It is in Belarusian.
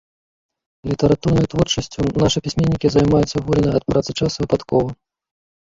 Літаратурнай творчасцю нашы пісьменнікі займаюцца ў вольны ад працы час, выпадкова.